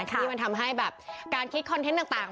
ที่มันทำให้แบบการคิดคอนเทนต์ต่าง